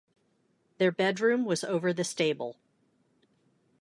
Their bedroom was over the stable.